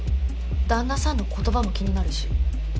旦那さんの言葉も気になるし。